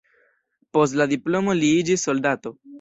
Post la diplomo li iĝis soldato.